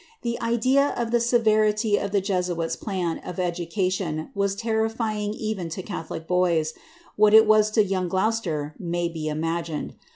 The idea of the severity of the Jesuits' plan of education was terrific even to catholic boys; what it was to young Gloucester may be imagined.